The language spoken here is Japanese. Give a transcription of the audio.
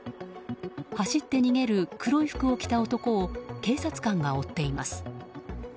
走って逃げる黒い服を着た男を警察官が追っています。